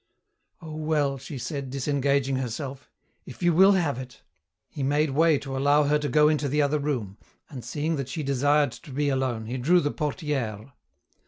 "Oh well," she said, disengaging herself, "if you will have it!" He made way to allow her to go into the other room, and seeing that she desired to be alone he drew the portière.